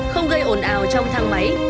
không gây ồn ào trong thang máy